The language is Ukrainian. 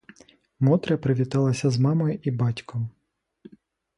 Мотря привіталася з мамою і батьком.